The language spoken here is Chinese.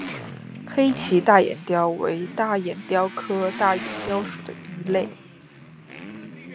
黑鳍大眼鲷为大眼鲷科大眼鲷属的鱼类。